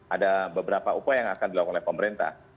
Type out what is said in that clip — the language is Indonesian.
ada beberapa upaya yang akan dilakukan oleh pemerintah